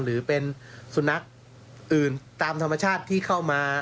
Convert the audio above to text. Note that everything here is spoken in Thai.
หรือเป็นสุนัขอื่นตามธรรมชาติที่เข้ามา